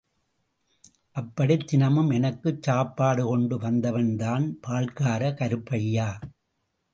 அப்படித் தினமும் எனக்குச் சாப்பாடு கொண்டு வந்தவன்தான் பால்கார கருப்பையா!